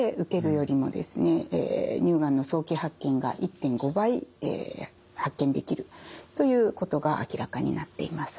乳がんの早期発見が１．５倍発見できるということが明らかになっています。